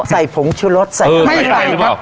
ใส่ผงชูรสใส่กะปิกับ